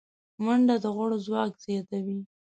منډه د غړو ځواک زیاتوي